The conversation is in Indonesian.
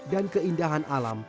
dan keindahan alam